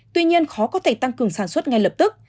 tuy nhiên khó có thể tăng cường sản xuất ngay lập tức